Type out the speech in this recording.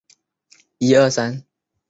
普通话旁白为李易。